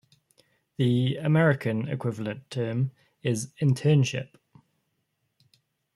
The American equivalent term is internship.